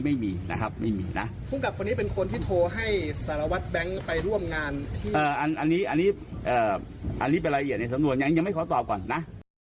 อันนี้เป็นละเอียดในสำนวนยังไม่ขอตอบก่อนนะ